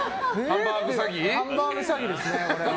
ハンバーグ詐欺です。